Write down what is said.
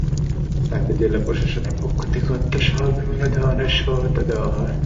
তাকে জেলা প্রশাসনের পক্ষ থেকে অর্থসহ বিভিন্ন ধরনের সহায়তা দেওয়া হয়।